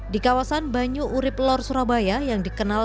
di kawasan banyu urip lor surabaya yang dikenal